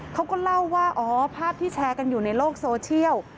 เขาก็เล่าว่าอ๋อภาพที่แชร์กันอยู่ในโลกโซเชียล